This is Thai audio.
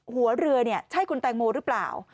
หัวเรือเนี่ยใช่คุณแตงโมหรือเปล่า